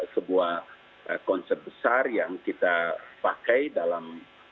sebuah konsep besar yang kita pakai dalam